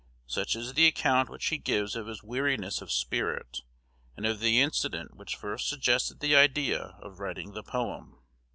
Such is the account which he gives of his weariness of spirit, and of the incident which first suggested the idea of writing the poem.